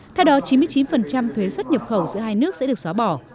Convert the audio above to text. theo đó chín mươi chín thuế xuất nhập khẩu giữa hai nước sẽ được xóa bỏ